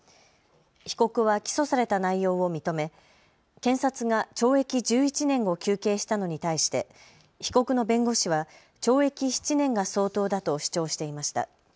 被告は起訴された内容を認め検察が懲役１１年を求刑したのに対して被告の弁護士は懲役７年が相当だと主張していました。